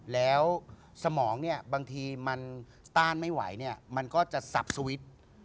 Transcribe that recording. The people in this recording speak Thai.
แล้วสมองเนี่ยบางทีมันต้านไม่ไหวเนี่ยมันก็จะสับสวิตช์